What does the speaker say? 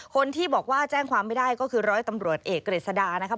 คนที่บอกว่าแจ้งความไม่ได้ก็คือร้อยตำรวจเอกกฤษดานะครับ